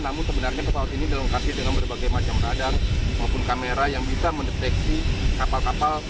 namun sebenarnya pesawat ini dilengkapi dengan berbagai macam radang maupun kamera yang bisa mendeteksi kapal kapal